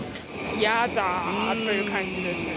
やだーという感じですね。